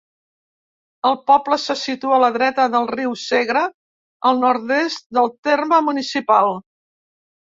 El poble se situa a la dreta del riu Segre, al nord-est del terme municipal.